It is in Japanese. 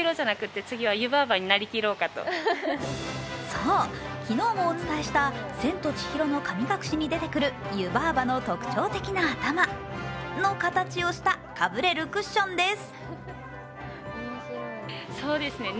そう、昨日もお伝えした「千と千尋の神隠し」に出てくる湯婆婆の特徴的な頭の形をしたかぶれるクッションです。